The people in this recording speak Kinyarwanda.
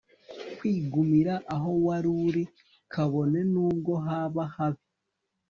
kwigumira aho wari uri kabone n'ubwo haba habi